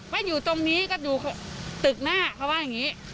ว่าอยู่ตรงนี้ก็อยู่ตึกหน้าเขาว่าอย่างนี้